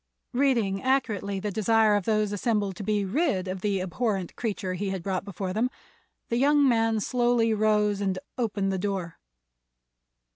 Reading accurately the desire of those assembled to be rid of the abhorrent creature he had brought before them, the young man slowly rose and opened the door.